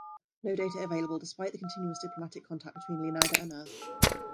No data available despite the continuous diplomatic contact between Leonida and Earth.